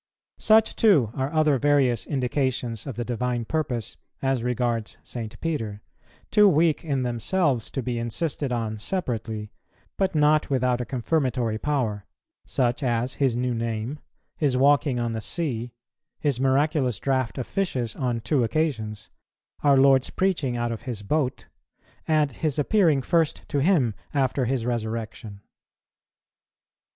Such, too, are various other indications of the Divine purpose as regards St. Peter, too weak in themselves to be insisted on separately, but not without a confirmatory power; such as his new name, his walking on the sea, his miraculous draught of fishes on two occasions, our Lord's preaching out of his boat, and His appearing first to him after His resurrection.